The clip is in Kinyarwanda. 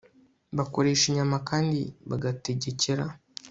bakoresha inyama kandi bagategekera